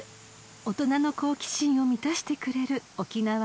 ［大人の好奇心を満たしてくれる沖縄の空旅です］